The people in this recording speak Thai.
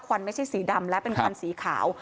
วันไม่ใช่สีดำและเป็นควันสีขาว